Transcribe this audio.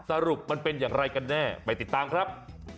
สรุปมันเป็นอย่างไรกันแน่ไปติดตามครับ